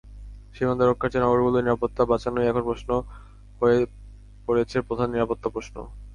সীমান্ত রক্ষার চেয়ে নগরগুলোর নিরাপত্তা বাঁচানোই এখন হয়ে পড়েছে প্রধান নিরাপত্তা প্রশ্ন।